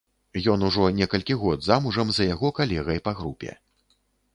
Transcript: Ён ужо некалькі год замужам за яго калегай па групе.